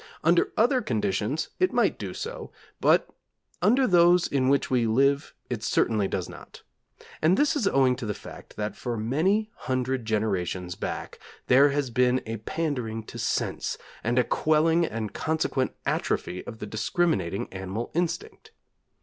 Under other conditions it might do so, but under those in which we live, it certainly does not; and this is owing to the fact that for many hundred generations back there has been a pandering to sense, and a quelling and consequent atrophy of the discriminating animal instinct.